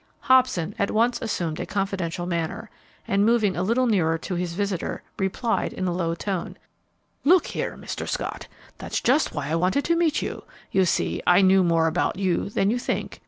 Hobson at once assumed a confidential manner, and, moving a little nearer his visitor, replied, in a low tone, "Look here, Mr. Scott, that's just why I wanted to meet you. You see I knew more about you than you think.